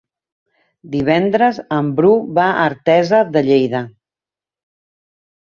Divendres en Bru va a Artesa de Lleida.